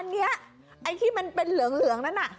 อันนี้ไอ้ที่มันเป็นเหลืองนั้นน่ะ